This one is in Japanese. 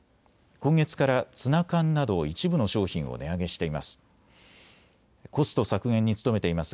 今月からツナ缶など一部の商品を値上げしています。